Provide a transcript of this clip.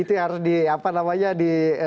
itu harus di apa namanya di